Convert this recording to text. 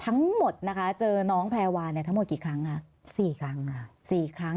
ทั้งหมดนะคะเจอน้องแพรวาเนี่ยทั้งหมดกี่ครั้งคะ๔ครั้งค่ะ๔ครั้ง